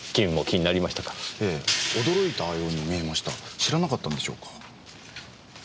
知らなかったんでしょうか。